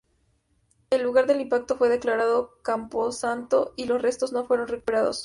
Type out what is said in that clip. El lugar del impacto fue declarado camposanto y los restos no fueron recuperados.